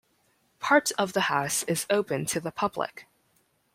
Part of the house is open to the public.